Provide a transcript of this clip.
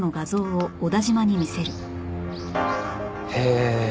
へえ。